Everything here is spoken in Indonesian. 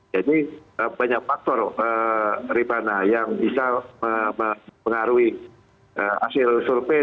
jadi banyak faktor ribana yang bisa mengaruhi hasil survei